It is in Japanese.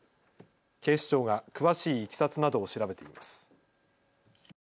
警視庁が詳しいいきさつなどを調べています。